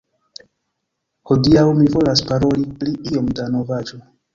Hodiaŭ mi volas paroli pri iom da novaĵo